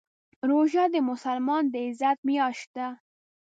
روژه د مسلمان د عزت میاشت ده.